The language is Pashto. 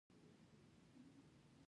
پکورې له ګرم روغن سره پخېږي